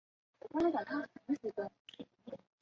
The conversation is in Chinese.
最初发表的版本。